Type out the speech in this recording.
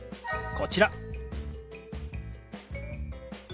こちら。